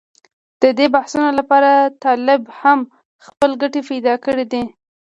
د دې بحثونو لپاره طالب هم خپل ګټې پېدا کړې دي.